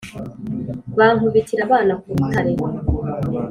bankubitira abana ku rutare